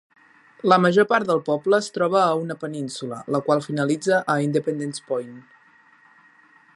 La major part del poble es troba a una península, la qual finalitza a Independence Point.